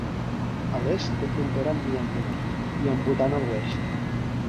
A l'est té frontera amb Myanmar i amb Bhutan a l'oest.